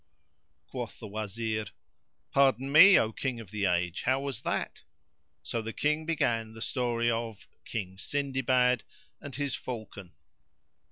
Quoth the Wazir, Pardon me, O King of the age, how was that?" So the King began the story of King Sindibad and his Falcon.